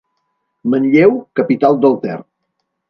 Manlleu, capital del Ter.